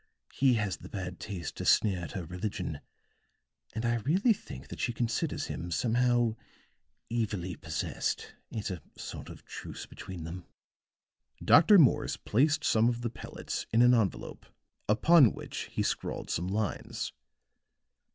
He has the bad taste to sneer at her religion; and I really think that she considers him somehow evilly possessed. It's a sort of truce between them." Dr. Morse placed some of the pellets in an envelope upon which he scrawled some lines.